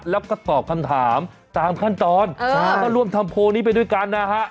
แล้วก็ตอบคำถามตามขั้นตอนก็ร่วมทำโพลนี้ไปด้วยกันนะฮะ